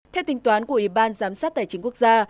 theo tính toán của ủy ban giám sát tài chính quốc gia